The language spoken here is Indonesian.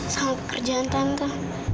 sama pekerjaan tante